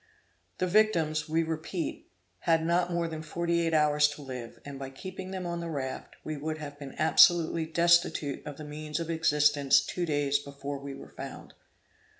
The victims, we repeat, had not more than forty eight hours to live, and by keeping them on the raft, we would have been absolutely destitute of the means of existence two days before we were found.